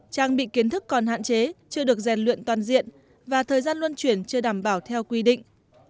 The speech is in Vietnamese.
trang bị kiến thức còn hạn chế chưa được rèn luyện toàn diện và thời gian luân chuyển chưa đảm bảo theo quy định